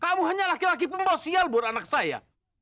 kamu hanya laki laki pembawa sial buat anak saya